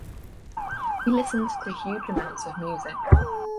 We listened to huge amounts of music.